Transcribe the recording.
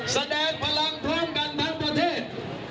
แสดงพลังพร้อมกันทั้งประเทศ